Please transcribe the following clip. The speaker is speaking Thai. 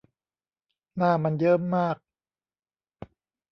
หน้ามันเยิ้มมาก